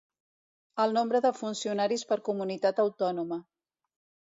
El nombre de funcionaris per comunitat autònoma.